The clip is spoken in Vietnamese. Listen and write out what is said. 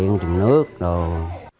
không tiền đi